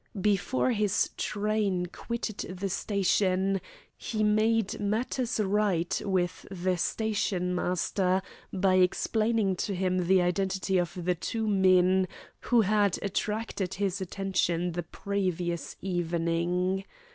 Before his train quitted the station he made matters right with the stationmaster by explaining to him the identity of the two men who had attracted his attention the previous evening.